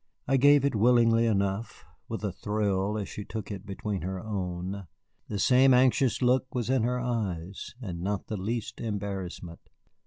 I gave it willingly enough, with a thrill as she took it between her own. The same anxious look was in her eyes, and not the least embarrassment.